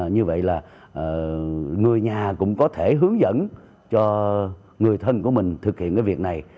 như vậy là người nhà cũng có thể hướng dẫn cho người thân của mình thực hiện việc này